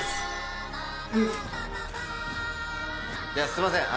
すいません。